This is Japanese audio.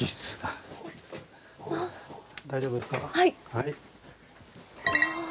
はい。